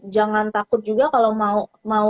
jangan takut juga kalau mau